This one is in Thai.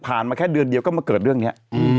มาแค่เดือนเดียวก็มาเกิดเรื่องนี้